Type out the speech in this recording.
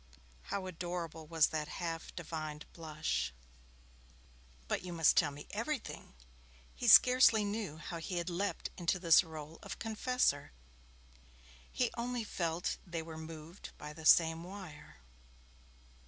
How adorable was that half divined blush! 'But you must tell me everything.' He scarcely knew how he had leapt into this role of confessor. He only felt they were 'moved by the same wire'.